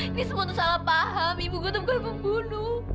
ini semua tuh salah paham ibu gua tuh bukan pembunuh